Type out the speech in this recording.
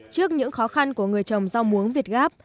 trước những khó khăn của người trồng rau muống việt gáp